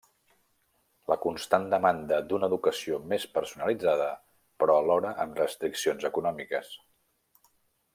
La constant demanda d'una educació més personalitzada, però alhora amb restriccions econòmiques.